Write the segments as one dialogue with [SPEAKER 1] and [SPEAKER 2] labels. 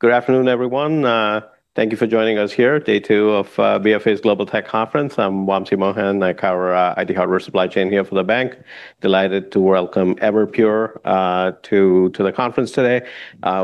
[SPEAKER 1] Good afternoon, everyone. Thank you for joining us here, day two of BofA's Global Tech Conference. I'm Wamsi Mohan. I cover IT hardware supply chain here for the Bank. Delighted to welcome Everpure to the conference today.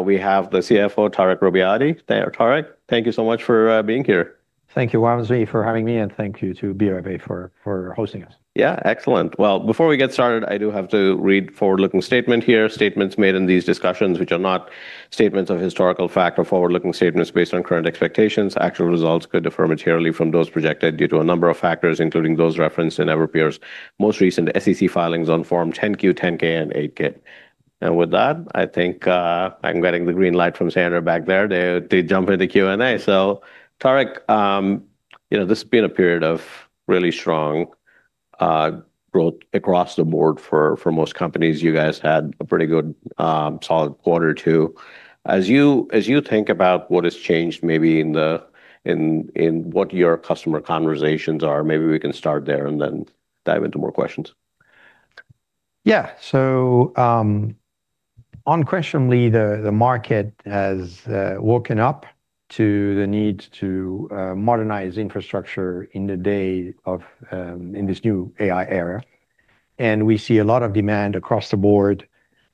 [SPEAKER 1] We have the CFO, Tarek Robbiati. Hey, Tarek. Thank you so much for being here.
[SPEAKER 2] Thank you, Wamsi, for having me, and thank you to BofA for hosting us.
[SPEAKER 1] Yeah. Excellent. Before we get started, I do have to read forward-looking statement here. Statements made in these discussions, which are not statements of historical fact are forward-looking statements based on current expectations. Actual results could differ materially from those projected due to a number of factors, including those referenced in Everpure's most recent SEC filings on Form 10-Q, 10-K, and 8-K. With that, I think I'm getting the green light from Sandra back there to jump into Q&A. Tarek, this has been a period of really strong growth across the board for most companies. You guys had a pretty good solid quarter too. As you think about what has changed maybe in what your customer conversations are, maybe we can start there and then dive into more questions.
[SPEAKER 2] Yeah. Unquestionably, the market has woken up to the need to modernize infrastructure in this new AI era. We see a lot of demand across the board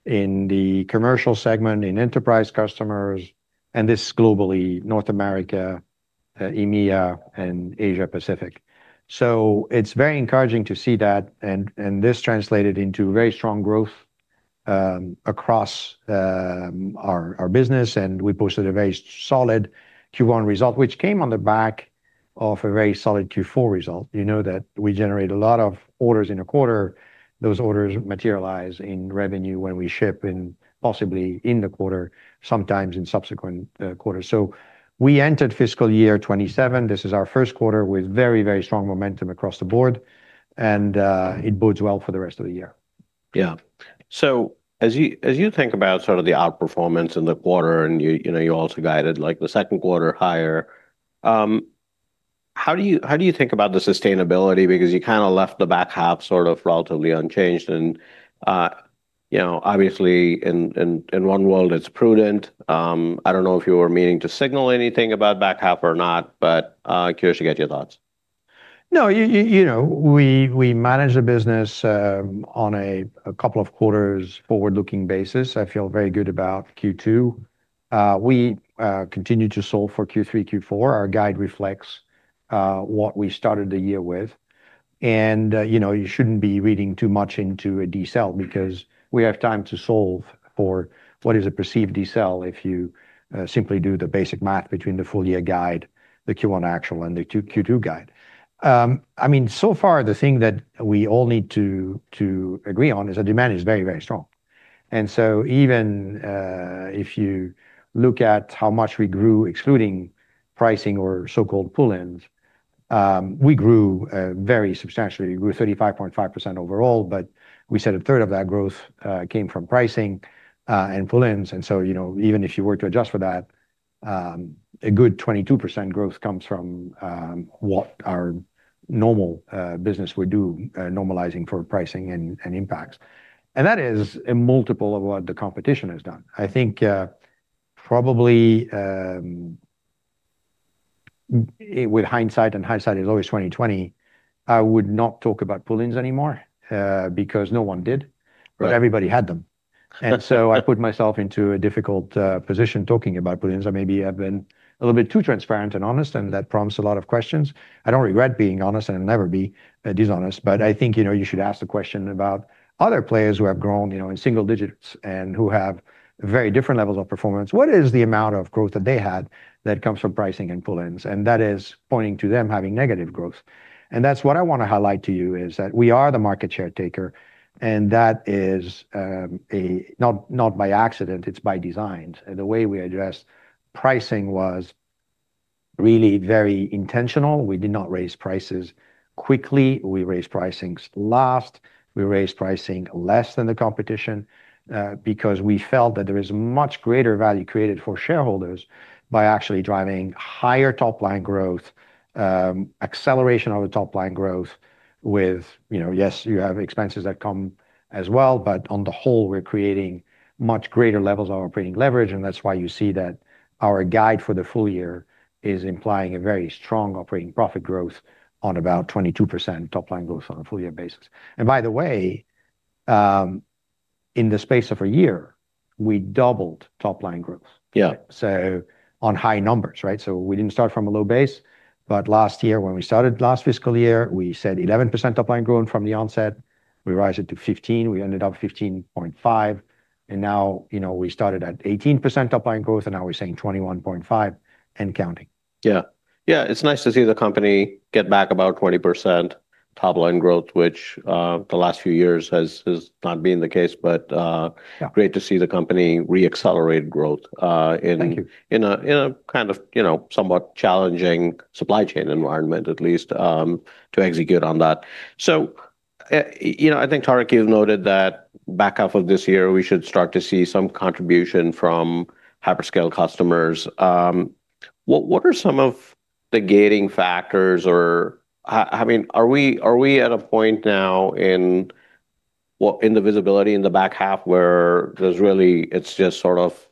[SPEAKER 2] in the commercial segment, in enterprise customers, and this is globally, North America, EMEA, and Asia Pacific. It's very encouraging to see that, and this translated into very strong growth across our business, and we posted a very solid Q1 result, which came on the back of a very solid Q4 result. You know that we generate a lot of orders in a quarter. Those orders materialize in revenue when we ship, and possibly in the quarter, sometimes in subsequent quarters. We entered fiscal year 2027. This is our first quarter with very, very strong momentum across the board, and it bodes well for the rest of the year.
[SPEAKER 1] Yeah. As you think about sort of the outperformance in the quarter and you also guided the second quarter higher, how do you think about the sustainability? Because you kind of left the back half sort of relatively unchanged and, obviously in one world it's prudent. I don't know if you were meaning to signal anything about back half or not, but curious to get your thoughts.
[SPEAKER 2] No. We manage the business on a couple of quarters forward-looking basis. I feel very good about Q2. We continue to solve for Q3, Q4. Our guide reflects what we started the year with. You shouldn't be reading too much into a decel because we have time to solve for what is a perceived decel if you simply do the basic math between the full-year guide, the Q1 actual, and the Q2 guide. So far, the thing that we all need to agree on is that demand is very, very strong. Even if you look at how much we grew, excluding pricing or so-called pull-ins, we grew very substantially. We grew 35.5% overall, but we said a third of that growth came from pricing and pull-ins. Even if you were to adjust for that, a good 22% growth comes from what our normal business would do, normalizing for pricing and impacts. That is a multiple of what the competition has done. I think probably with hindsight, and hindsight is always 20/20, I would not talk about pull-ins anymore, because no one did.
[SPEAKER 1] Right.
[SPEAKER 2] Everybody had them. I put myself into a difficult position talking about pull-ins. I maybe have been a little bit too transparent and honest, and that prompts a lot of questions. I don't regret being honest, and I'll never be dishonest. I think you should ask the question about other players who have grown in single digits and who have very different levels of performance. What is the amount of growth that they had that comes from pricing and pull-ins? That is pointing to them having negative growth. That's what I want to highlight to you is that we are the market share taker, and that is not by accident, it's by design. The way we addressed pricing was really very intentional. We did not raise prices quickly. We raised pricings last. We raised pricing less than the competition, because we felt that there is much greater value created for shareholders by actually driving higher top-line growth, acceleration of the top-line growth with, yes, you have expenses that come as well, but on the whole, we're creating much greater levels of operating leverage, and that's why you see that our guide for the full year is implying a very strong operating profit growth on about 22% top-line growth on a full-year basis. By the way, in the space of one year, we doubled top-line growth.
[SPEAKER 1] Yeah.
[SPEAKER 2] On high numbers, right? We didn't start from a low base, but last year when we started last fiscal year, we said 11% top-line growth from the onset. We rise it to 15, we ended up 15.5, and now we started at 18% top-line growth, and now we're saying 21.5 and counting.
[SPEAKER 1] Yeah. It's nice to see the company get back about 20% top-line growth, which the last few years has not been the case.
[SPEAKER 2] Yeah.
[SPEAKER 1] Great to see the company re-accelerate growth-
[SPEAKER 2] Thank you....
[SPEAKER 1] in a kind of somewhat challenging supply chain environment, at least, to execute on that. I think, Tarek, you've noted that back half of this year, we should start to see some contribution from hyperscale customers. What are some of the gating factors or are we at a point now in the visibility in the back half where it's just sort of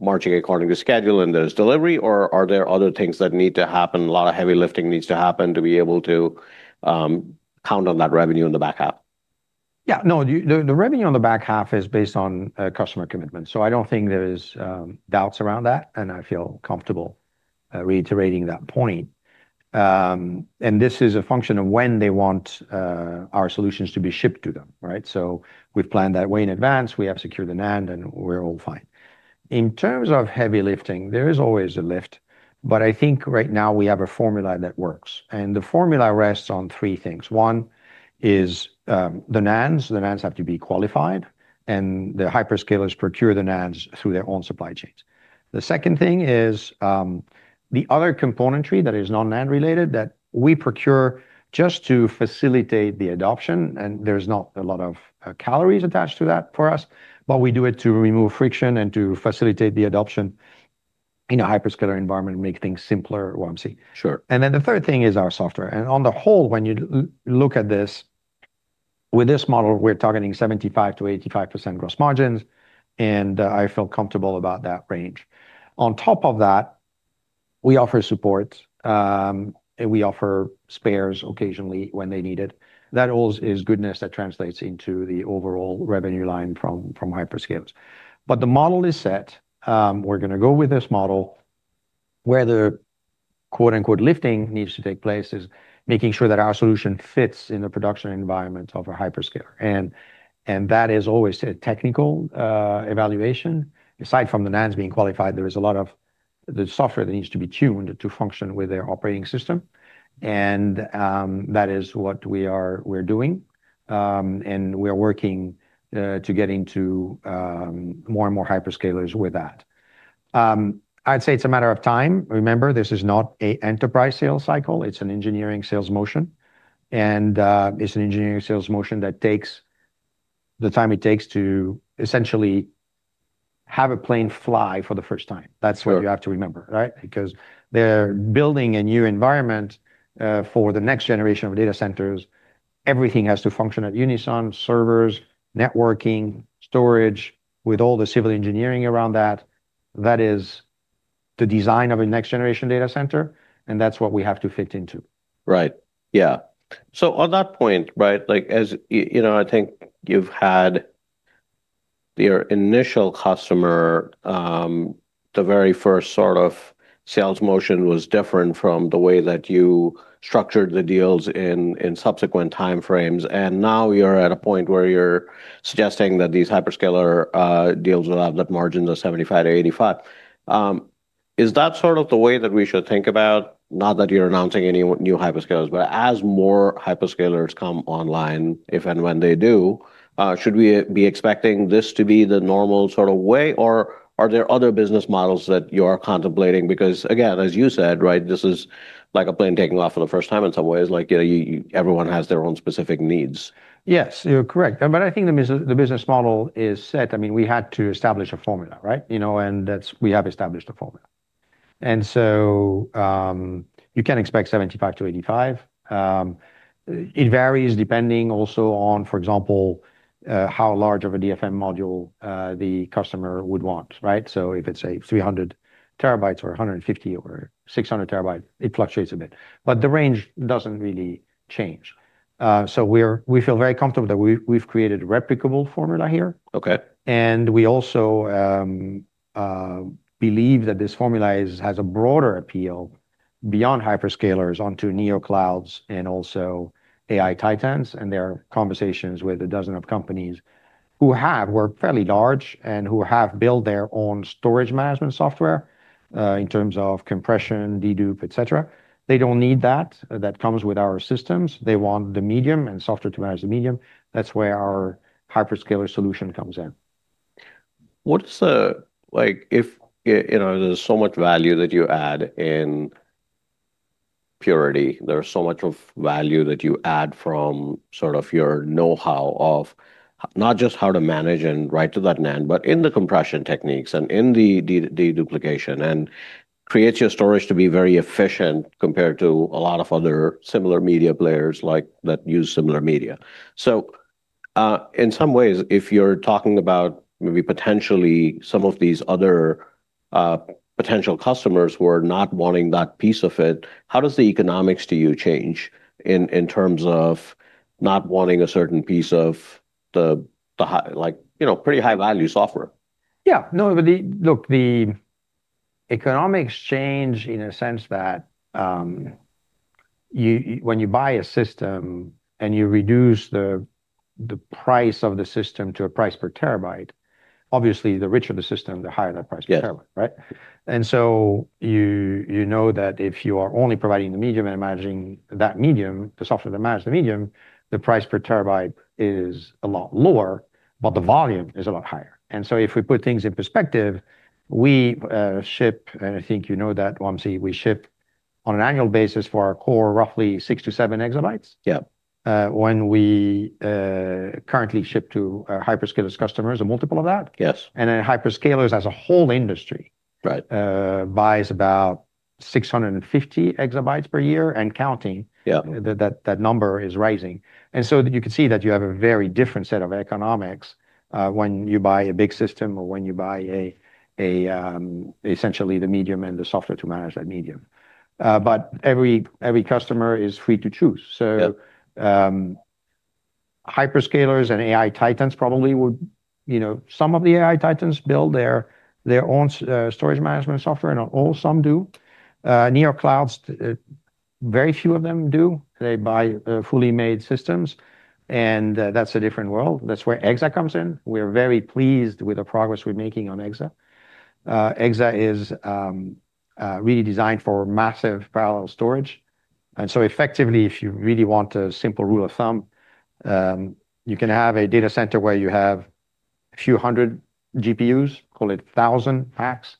[SPEAKER 1] marching according to schedule, and there's delivery, or are there other things that need to happen, a lot of heavy lifting needs to happen to be able to count on that revenue in the back half?
[SPEAKER 2] Yeah, no, the revenue on the back half is based on customer commitment. I don't think there's doubts around that, and I feel comfortable reiterating that point. This is a function of when they want our solutions to be shipped to them, right? We've planned that way in advance. We have secured the NAND, and we're all fine. In terms of heavy lifting, there is always a lift. I think right now we have a formula that works, and the formula rests on three things. One is the NANDs. The NANDs have to be qualified, and the hyperscalers procure the NANDs through their own supply chains. The second thing is the other componentry that is non-NAND related that we procure just to facilitate the adoption, and there's not a lot of calories attached to that for us. We do it to remove friction and to facilitate the adoption in a hyperscaler environment and make things simpler, Wamsi.
[SPEAKER 1] Sure.
[SPEAKER 2] The third thing is our software. On the whole, when you look at this, with this model, we're targeting 75%-85% gross margins, I feel comfortable about that range. On top of that, we offer support, and we offer spares occasionally when they need it. That all is goodness that translates into the overall revenue line from hyperscalers. The model is set. We're going to go with this model. Where the "lifting" needs to take place is making sure that our solution fits in the production environment of a hyperscaler. That is always a technical evaluation. Aside from the NANDs being qualified, there is a lot of the software that needs to be tuned to function with their operating system. That is what we're doing. We are working to get into more and more hyperscalers with that. I'd say it's a matter of time. Remember, this is not an enterprise sales cycle. It's an engineering sales motion, and it's an engineering sales motion that takes the time it takes to essentially have a plane fly for the first time.
[SPEAKER 1] Sure.
[SPEAKER 2] That's what you have to remember, right? They're building a new environment, for the next generation of data centers. Everything has to function at unison, servers, networking, storage, with all the civil engineering around that. That is the design of a next-generation data center, and that's what we have to fit into.
[SPEAKER 1] Right. Yeah. On that point, right, I think you've had your initial customer, the very first sort of sales motion was different from the way that you structured the deals in subsequent time frames. Now you're at a point where you're suggesting that these hyperscaler deals will have net margins of 75%-85%. Is that sort of the way that we should think about, not that you're announcing any new hyperscalers, but as more hyperscalers come online, if and when they do, should we be expecting this to be the normal sort of way, or are there other business models that you are contemplating? Again, as you said, right, this is like a plane taking off for the first time in some ways, like everyone has their own specific needs.
[SPEAKER 2] Yes, you're correct. I think the business model is set. We had to establish a formula, right? That we have established a formula. You can expect 75%-85%. It varies depending also on, for example, how large of a DFM module the customer would want, right? If it's, say, 300 TB, or 150 TB, or 600 TB, it fluctuates a bit. The range doesn't really change. We feel very comfortable that we've created a replicable formula here.
[SPEAKER 1] Okay.
[SPEAKER 2] We also believe that this formula has a broader appeal beyond hyperscalers onto neoclouds and also AI titans, and there are conversations with a dozen of companies who have worked fairly large and who have built their own storage management software, in terms of compression, dedup, et cetera. They don't need that. That comes with our systems. They want the medium and software to manage the medium. That's where our hyperscaler solution comes in.
[SPEAKER 1] There's so much value that you add in Purity. There is so much of value that you add from sort of your know-how of not just how to manage and write to that NAND, but in the compression techniques and in the deduplication and creates your storage to be very efficient compared to a lot of other similar media players that use similar media. In some ways, if you're talking about maybe potentially some of these other potential customers who are not wanting that piece of it, how does the economics to you change in terms of not wanting a certain piece of pretty high-value software?
[SPEAKER 2] Yeah. No, look, the economics change in a sense that when you buy a system and you reduce the price of the system to a price per terabyte, obviously the richer the system, the higher that price per terabyte.
[SPEAKER 1] Yes.
[SPEAKER 2] Right? You know that if you are only providing the medium and managing that medium, the software that manage the medium, the price per terabyte is a lot lower, but the volume is a lot higher. If we put things in perspective, we ship, and I think you know that, Wamsi, we ship on an annual basis for our core, roughly 6-7 exabytes.
[SPEAKER 1] Yeah.
[SPEAKER 2] When we currently ship to our hyperscalers customers a multiple of that.
[SPEAKER 1] Yes.
[SPEAKER 2] Hyperscalers as a whole industry-
[SPEAKER 1] Right....
[SPEAKER 2] buys about 650 exabytes per year and counting.
[SPEAKER 1] Yeah.
[SPEAKER 2] That number is rising. You can see that you have a very different set of economics when you buy a big system or when you buy essentially the medium and the software to manage that medium. Every customer is free to choose.
[SPEAKER 1] Yeah.
[SPEAKER 2] Hyperscalers and AI titans, some of the AI titans build their own storage management software, not all, some do. Neoclouds, very few of them do. They buy fully made systems, and that's a different world. That's where EXA comes in. We're very pleased with the progress we're making on EXA. EXA is really designed for massively parallel storage. Effectively, if you really want a simple rule of thumb, you can have a data center where you have a few hundred GPUs, call it thousand packs.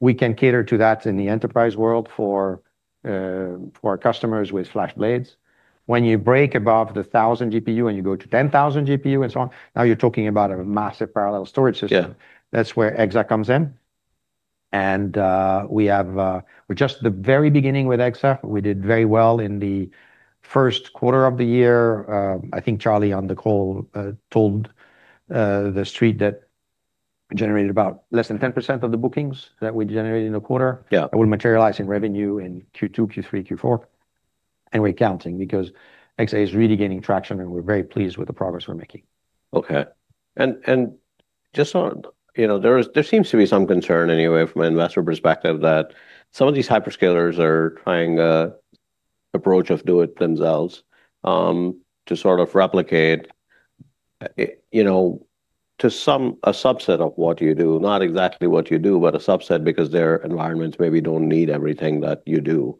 [SPEAKER 2] We can cater to that in the enterprise world for our customers with FlashBlades. When you break above the 1,000 GPUs and you go to 10,000 GPUs and so on, now you're talking about a massively parallel storage system.
[SPEAKER 1] Yeah.
[SPEAKER 2] That's where EXA comes in. We're just at the very beginning with EXA. We did very well in the first quarter of the year. I think Charlie on the call told the Street that we generated about less than 10% of the bookings that we generated in the quarter.
[SPEAKER 1] Yeah.
[SPEAKER 2] That will materialize in revenue in Q2, Q3, Q4. We're counting because EXA is really gaining traction, and we're very pleased with the progress we're making.
[SPEAKER 1] Okay. There seems to be some concern anyway from an investor perspective that some of these hyperscalers are trying approach of do it themselves, to sort of replicate to a subset of what you do. Not exactly what you do, but a subset because their environments maybe don't need everything that you do.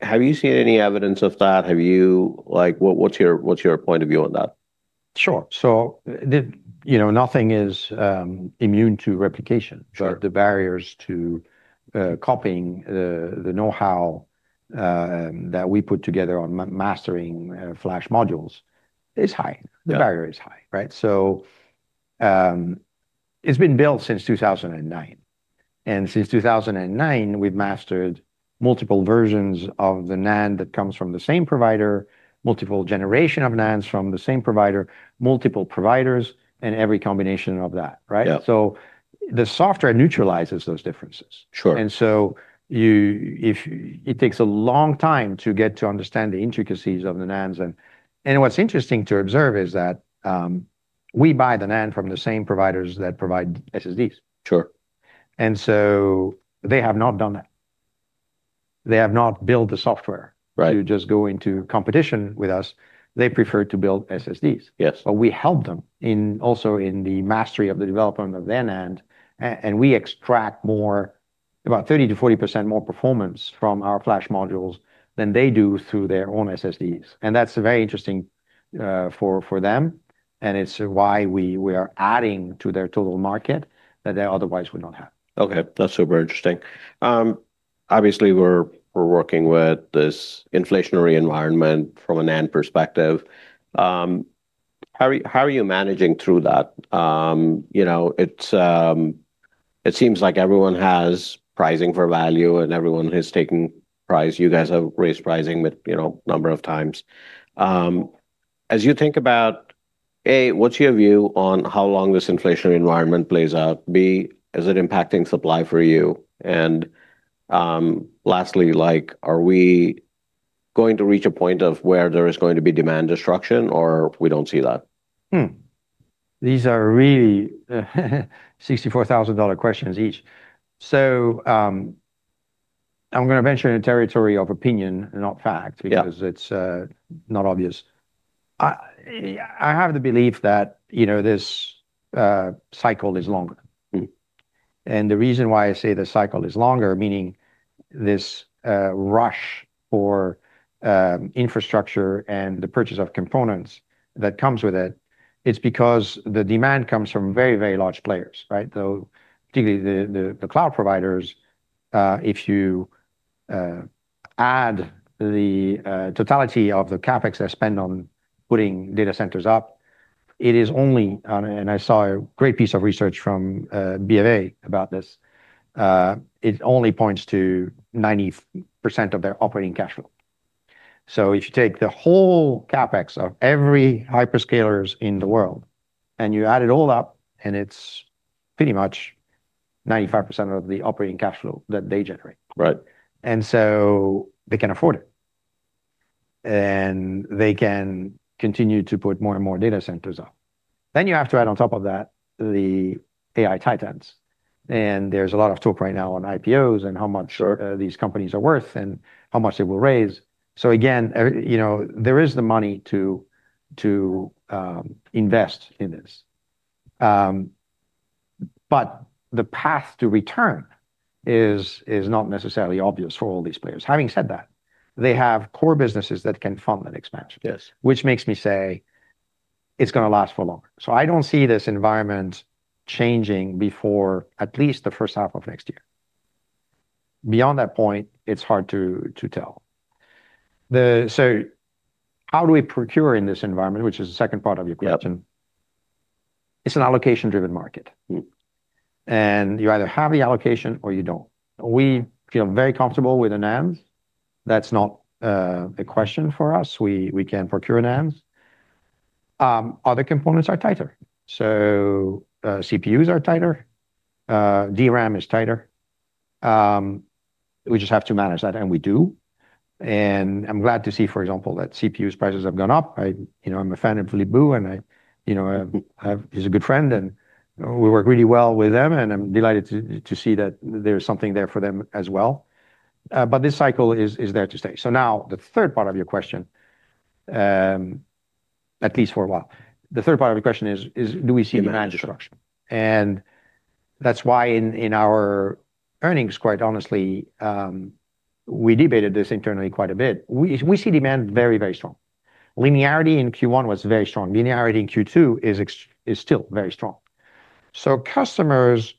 [SPEAKER 1] Have you seen any evidence of that? What's your point of view on that?
[SPEAKER 2] Sure. Nothing is immune to replication.
[SPEAKER 1] Sure.
[SPEAKER 2] The barriers to copying the knowhow that we put together on mastering flash modules is high.
[SPEAKER 1] Yeah.
[SPEAKER 2] The barrier is high. Right? It's been built since 2009. Since 2009, we've mastered multiple versions of the NAND that comes from the same provider, multiple generation of NANDs from the same provider, multiple providers, and every combination of that, right?
[SPEAKER 1] Yeah.
[SPEAKER 2] The software neutralizes those differences.
[SPEAKER 1] Sure.
[SPEAKER 2] It takes a long time to get to understand the intricacies of the NANDs and what's interesting to observe is that we buy the NAND from the same providers that provide SSDs.
[SPEAKER 1] Sure.
[SPEAKER 2] They have not done that. They have not built the software-
[SPEAKER 1] Right ...
[SPEAKER 2] to just go into competition with us. They prefer to build SSDs.
[SPEAKER 1] Yes.
[SPEAKER 2] We help them also in the mastery of the development of their NAND, and we extract about 30%-40% more performance from our flash modules than they do through their own SSDs. That's very interesting for them, and it's why we are adding to their total market that they otherwise would not have.
[SPEAKER 1] Okay. That's super interesting. Obviously, we're working with this inflationary environment from a NAND perspective. How are you managing through that? It seems like everyone has pricing for value and everyone has taken price. You guys have raised pricing a number of times. As you think about, A, what's your view on how long this inflationary environment plays out? B, is it impacting supply for you? Lastly, are we going to reach a point of where there is going to be demand destruction or we don't see that?
[SPEAKER 2] These are really $64,000 questions each. I'm going to venture in a territory of opinion and not fact.
[SPEAKER 1] Yeah.
[SPEAKER 2] Because it's not obvious. I have the belief that this cycle is longer. The reason why I say the cycle is longer, meaning this rush for infrastructure and the purchase of components that comes with it's because the demand comes from very, very large players, right. Particularly the cloud providers. If you add the totality of the CapEx they spend on putting data centers up, it is only, and I saw a great piece of research from BofA about this. It only points to 90% of their operating cash flow. If you take the whole CapEx of every hyperscalers in the world, and you add it all up, and it's pretty much 95% of the operating cash flow that they generate.
[SPEAKER 1] Right.
[SPEAKER 2] They can afford it, and they can continue to put more and more data centers up. You have to add on top of that the AI titans. There's a lot of talk right now on IPOs and how much-
[SPEAKER 1] Sure....
[SPEAKER 2] these companies are worth and how much they will raise. Again, there is the money to invest in this. The path to return is not necessarily obvious for all these players. Having said that, they have core businesses that can fund that expansion.
[SPEAKER 1] Yes.
[SPEAKER 2] Which makes me say it's going to last for longer. I don't see this environment changing before at least the first half of next year. Beyond that point, it's hard to tell. How do we procure in this environment? Which is the second part of your question. It's an allocation-driven market. You either have the allocation or you don't. We feel very comfortable with the NANDs. That's not a question for us. We can procure NANDs. Other components are tighter. CPUs are tighter. DRAM is tighter. We just have to manage that, and we do. I'm glad to see, for example, that CPU's prices have gone up. I'm a fan of Philippe Bou, and he's a good friend, and we work really well with them, and I'm delighted to see that there's something there for them as well. This cycle is there to stay. Now, the third part of your question, at least for a while. The third part of your question is, do we see demand destruction? That's why in our earnings, quite honestly, we debated this internally quite a bit. We see demand very strong. Linearity in Q1 was very strong. Linearity in Q2 is still very strong. Customers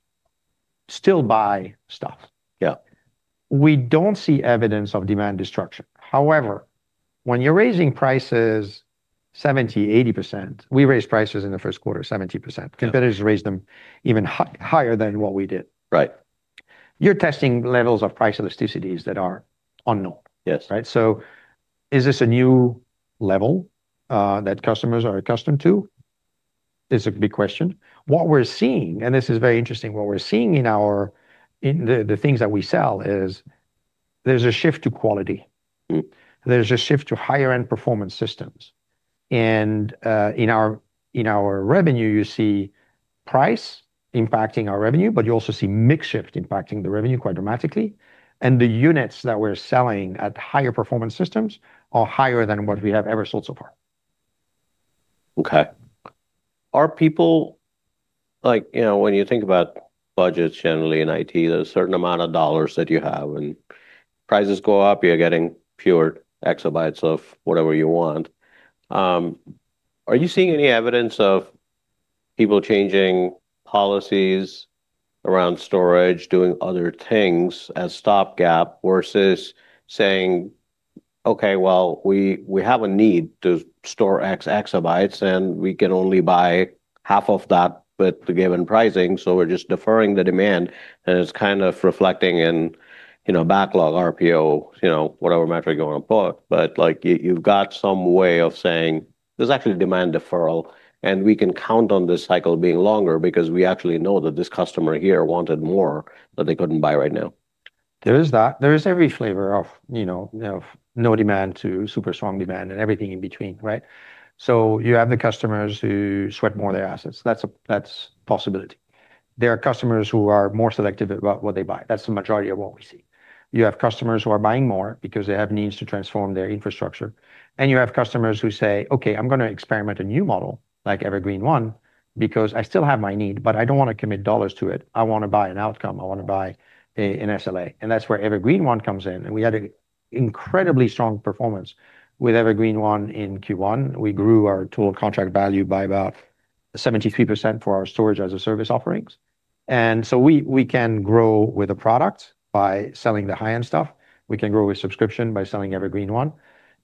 [SPEAKER 2] still buy stuff.
[SPEAKER 1] Yeah.
[SPEAKER 2] We don't see evidence of demand destruction. When you're raising prices 70%, 80%, we raised prices in the first quarter 70%.
[SPEAKER 1] Yeah.
[SPEAKER 2] Competitors raised them even higher than what we did.
[SPEAKER 1] Right.
[SPEAKER 2] You're testing levels of price elasticities that are unknown.
[SPEAKER 1] Yes.
[SPEAKER 2] Right? Is this a new level that customers are accustomed to? Is a big question. What we're seeing, and this is very interesting, what we're seeing in the things that we sell is there's a shift to quality. There's a shift to higher-end performance systems. In our revenue, you see price impacting our revenue, but you also see mix shift impacting the revenue quite dramatically. The units that we're selling at higher performance systems are higher than what we have ever sold so far.
[SPEAKER 1] Okay. When you think about budgets generally in IT, there's a certain amount of dollars that you have, and prices go up, you're getting pure exabytes of whatever you want. Are you seeing any evidence of people changing policies around storage, doing other things as stopgap versus saying, "Okay, well, we have a need to store X exabytes, and we can only buy half of that with the given pricing, so we're just deferring the demand," and it's kind of reflecting in backlog RPO, whatever metric you want to put. You've got some way of saying there's actually demand deferral, and we can count on this cycle being longer because we actually know that this customer here wanted more, but they couldn't buy right now.
[SPEAKER 2] There is that. There is every flavor of no demand to super strong demand and everything in between, right? You have the customers who sweat more their assets. That's a possibility. There are customers who are more selective about what they buy. That's the majority of what we see. You have customers who are buying more because they have needs to transform their infrastructure. You have customers who say, "Okay, I'm going to experiment a new model, like Evergreen//One, because I still have my need, but I don't want to commit dollars to it. I want to buy an outcome. I want to buy an SLA." That's where Evergreen//One comes in. We had an incredibly strong performance with Evergreen//One in Q1. We grew our Total Contract Value by about 73% for our Storage as a Service offerings. We can grow with a product by selling the high-end stuff. We can grow with subscription by selling Evergreen//One.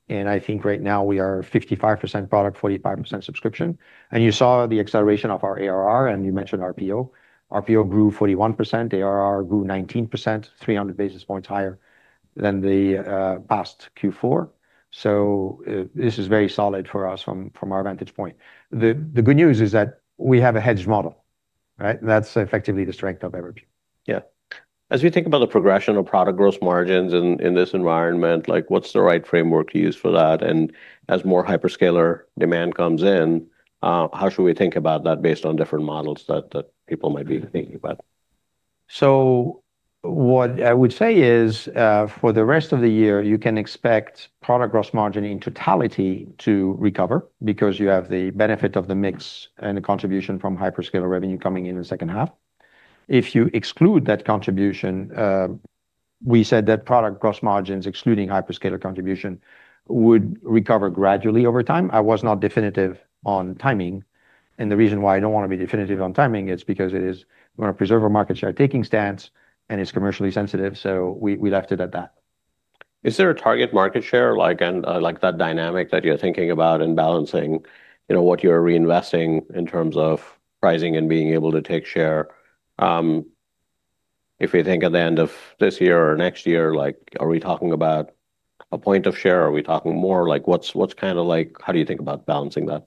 [SPEAKER 2] I think right now we are 55% product, 45% subscription. You saw the acceleration of our ARR, and you mentioned RPO. RPO grew 41%, ARR grew 19%, 300 basis points higher than the past Q4. This is very solid for us from our vantage point. The good news is that we have a hedged model, right? That's effectively the strength of Everpure.
[SPEAKER 1] Yeah. As we think about the progression of Product gross margins in this environment, what's the right framework to use for that? As more hyperscaler demand comes in, how should we think about that based on different models that people might be thinking about?
[SPEAKER 2] What I would say is, for the rest of the year, you can expect Product gross margin in totality to recover because you have the benefit of the mix and the contribution from hyperscaler revenue coming in the second half. If you exclude that contribution, we said that Product gross margins excluding hyperscaler contribution would recover gradually over time. I was not definitive on timing, and the reason why I don't want to be definitive on timing is because we want to preserve our market share-taking stance, and it's commercially sensitive, so we left it at that.
[SPEAKER 1] Is there a target market share, like that dynamic that you're thinking about and balancing, what you're reinvesting in terms of pricing and being able to take share? If we think at the end of this year or next year, are we talking about a point of share? How do you think about balancing that?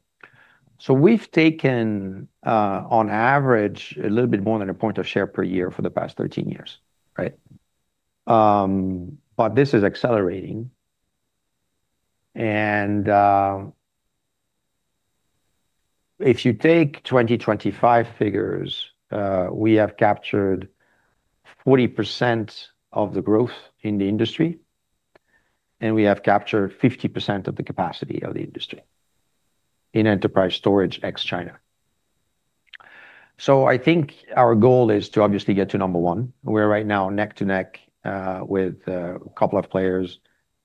[SPEAKER 2] We've taken, on average, a little bit more than a point of share per year for the past 13 years, right? This is accelerating. If you take 2025 figures, we have captured 40% of the growth in the industry, and we have captured 50% of the capacity of the industry in enterprise storage ex-China. I think our goal is to obviously get to number one. We're right now neck to neck with a couple of players.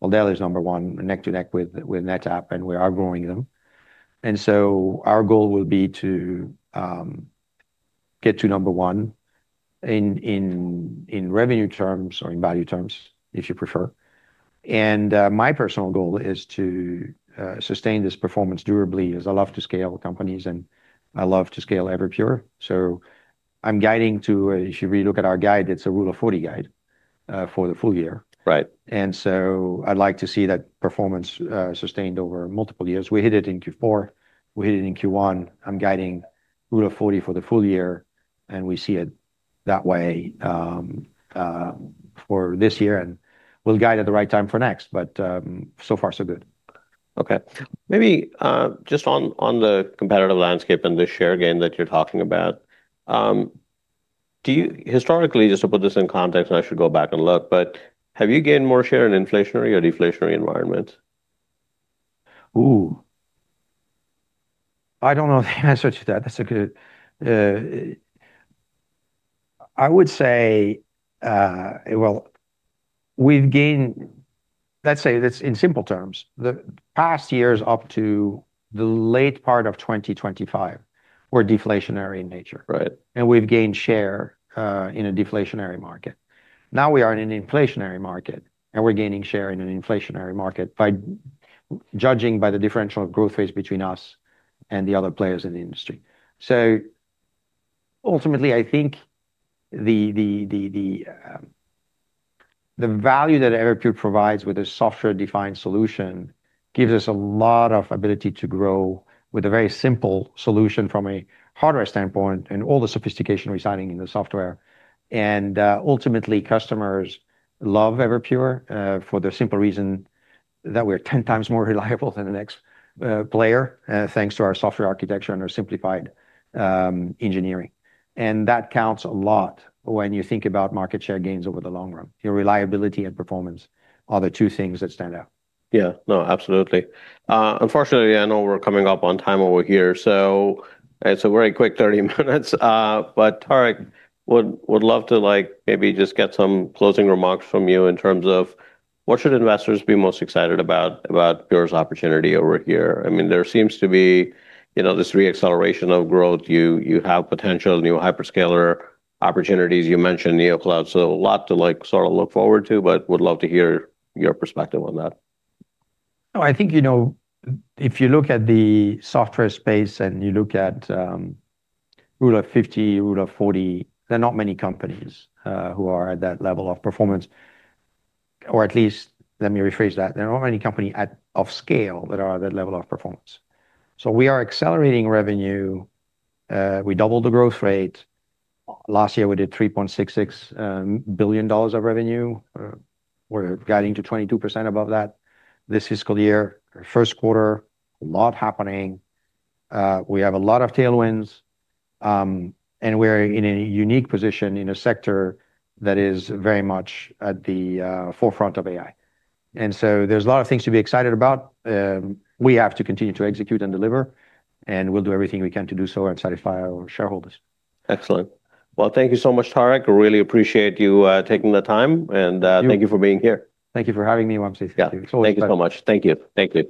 [SPEAKER 2] Dell is number one, neck to neck with NetApp, and we are growing them. Our goal will be to get to number one in revenue terms or in value terms, if you prefer. My personal goal is to sustain this performance durably, as I love to scale companies, and I love to scale Everpure. I'm guiding to, if you re-look at our guide, it's a Rule of 40 guide for the full year.
[SPEAKER 1] Right.
[SPEAKER 2] I'd like to see that performance sustained over multiple years. We hit it in Q4. We hit it in Q1. I'm guiding Rule of 40 for the full year, and we see it that way for this year. We'll guide at the right time for next, but so far so good.
[SPEAKER 1] Okay. Maybe just on the competitive landscape and the share gain that you're talking about, historically, just to put this in context, and I should go back and look, but have you gained more share in inflationary or deflationary environments?
[SPEAKER 2] I don't know the answer to that. I would say, well, let's say this in simple terms. The past years up to the late part of 2025 were deflationary in nature.
[SPEAKER 1] Right.
[SPEAKER 2] We've gained share in a deflationary market. Now we are in an inflationary market, and we're gaining share in an inflationary market by judging by the differential growth rates between us and the other players in the industry. Ultimately, I think the value that Everpure provides with a software-defined solution gives us a lot of ability to grow with a very simple solution from a hardware standpoint and all the sophistication residing in the software. Ultimately, customers love Everpure for the simple reason that we're 10 times more reliable than the next player, thanks to our software architecture and our simplified engineering. That counts a lot when you think about market share gains over the long run. Your reliability and performance are the two things that stand out.
[SPEAKER 1] Yeah. No, absolutely. Unfortunately, I know we're coming up on time over here, so it's a very quick 30 minutes. Tarek, would love to maybe just get some closing remarks from you in terms of what should investors be most excited about Everpure's opportunity over here? There seems to be this re-acceleration of growth. You have potential new hyperscaler opportunities. You mentioned neocloud, so a lot to look forward to, but would love to hear your perspective on that.
[SPEAKER 2] No, I think, if you look at the software space and you look at Rule of 50, Rule of 40, there are not many companies who are at that level of performance, or at least let me rephrase that. There are not many company of scale that are at that level of performance. We are accelerating revenue. We doubled the growth rate. Last year, we did $3.66 billion of revenue. We're guiding to 22% above that this fiscal year. First quarter, a lot happening. We have a lot of tailwinds, and we're in a unique position in a sector that is very much at the forefront of AI. There's a lot of things to be excited about. We have to continue to execute and deliver, and we'll do everything we can to do so and satisfy our shareholders.
[SPEAKER 1] Excellent. Well, thank you so much, Tarek. Really appreciate you taking the time, and thank you for being here.
[SPEAKER 2] Thank you for having me, Wamsi. Thank you. It's always a pleasure.
[SPEAKER 1] Yeah. Thank you so much. Thank you. Thank you.